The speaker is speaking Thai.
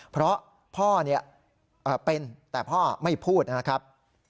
เพราะพ่อเป็นแต่พ่อไม่พูดนะครับ